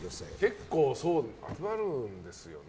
結構集まるんですよね。